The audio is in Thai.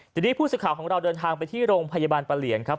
ทีนี้ผู้สื่อข่าวของเราเดินทางไปที่โรงพยาบาลปะเหลียนครับ